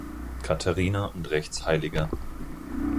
Katharina und rechts hl.